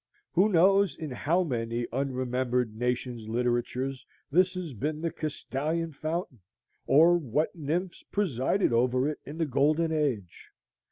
Who knows in how many unremembered nations' literatures this has been the Castalian Fountain? or what nymphs presided over it in the Golden Age?